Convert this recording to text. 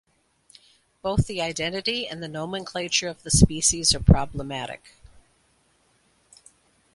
Both the identity and the nomenclature of the species are problematic.